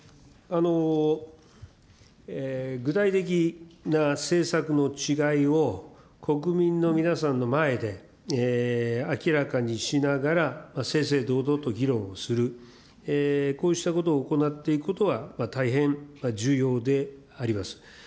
具体的な政策の違いを国民の皆さんの前で明らかにしながら、正々堂々と議論をする、こうしたことを行っていくことは大変重要であります。